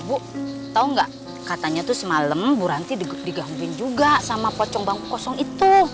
ibu ibu tau gak katanya tuh semalam bu ranti digambil juga sama pocong mangkuk kosong itu